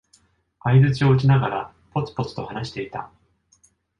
相づちを打ちながら、ぽつぽつと話していた。